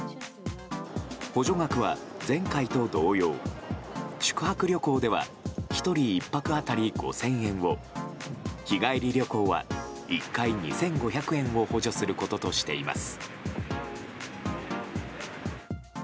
補助額は前回と同様宿泊旅行では１人１泊当たり５０００円を日帰り旅行は１回２５００円を補助することとしています。